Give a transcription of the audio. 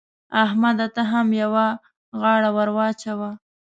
احمده! ته هم يوه غاړه ور واچوه.